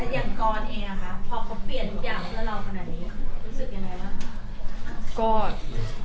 อย่างก้อนเองนะคะพอเขาเปลี่ยนอย่างแล้วเราขนาดนี้รู้สึกยังไงบ้าง